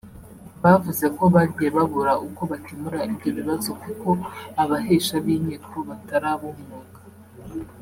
Bavuze ko bagiye babura uko bakemura ibyo bibazo kuko abahesha b’inkiko batari ab’umwuga